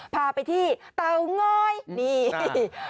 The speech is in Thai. พาไปที่เตาง้อยนี่